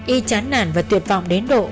y chán nản và tuyệt vọng đến độ